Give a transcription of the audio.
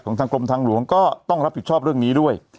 ทางกรมทางหลวงก็ต้องรับผิดชอบเรื่องนี้ด้วย